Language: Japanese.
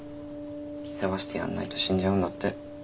世話してやんないと死んじゃうんだって。